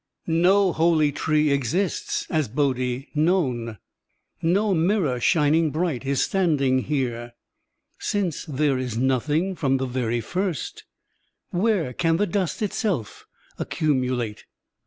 ♦♦♦ "No holy tree exists as Bodhi known, No mirror shining bright is standing here; Since there is nothing from the very first, Where can the dust itself acciunulate?".